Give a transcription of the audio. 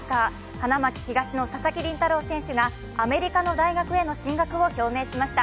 花巻東の佐々木麟太郎選手がアメリカの大学への進学を表明しました。